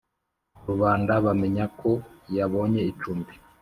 rubanda bamenya ko yabonye icumbi;